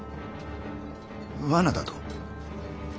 罠だと？